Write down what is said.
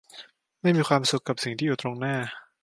ไม่มีความสุขกับสิ่งที่อยู่ตรงหน้า